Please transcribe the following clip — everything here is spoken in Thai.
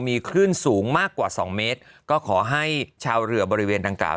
มีคลื่นสูงมากกว่าสองเมตรก็ขอให้ชาวเรือบริเวณดังกล่า